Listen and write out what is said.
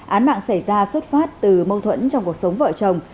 án mạng xảy ra xuất phát từ mâu thuẫn trong cuộc sống vợ chồng